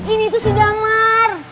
ini tuh si damar